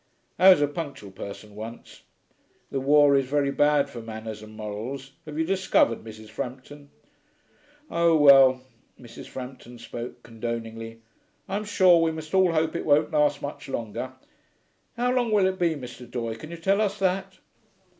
I was a punctual person once. The war is very bad for manners and morals, have you discovered, Mrs. Frampton?' 'Oh well,' Mrs. Frampton spoke condoningly, 'I'm sure we must all hope it won't last much longer. How long will it be, Mr. Doye, can you tell us that?'